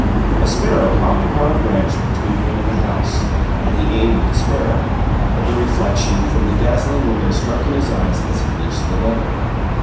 A sparrow hopped upon a branch between him and the house, and he aimed at the sparrow, but the reflection from the dazzling window struck in his eyes as he loosed the leather.